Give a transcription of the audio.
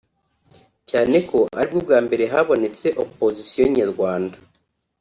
cyane ko aribwo bwa mbere habonetse “opposition” nyarwanda